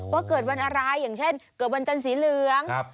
ว่าเกิดวันอะไรอย่างเช่นเกิดวันจันทร์สีเหลือง